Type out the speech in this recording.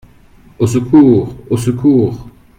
Au secours ! au secours !